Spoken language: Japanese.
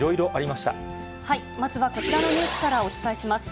まずはこちらのニュースからお伝えします。